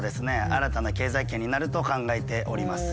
新たな経済圏になると考えております。